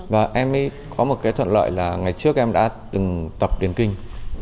và em có một thuận lợi là ngày trước em đã từng tập tiền kinh